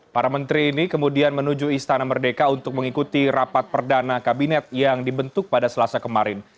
para menteri ini kemudian menuju istana merdeka untuk mengikuti rapat perdana kabinet yang dibentuk pada selasa kemarin